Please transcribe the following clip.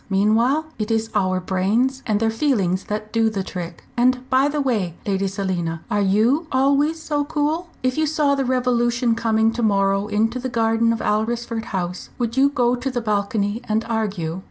Meanwhile it is our brains and their feelings that do the trick. And by the way, Lady Selina, are you always so cool? If you saw the Revolution coming to morrow into the garden of Alresford House, would you go to the balcony and argue?"